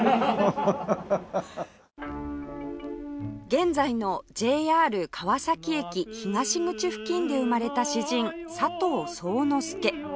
現在の ＪＲ 川崎駅東口付近で生まれた詩人佐藤惣之助